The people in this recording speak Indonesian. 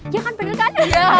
ya kan bener kan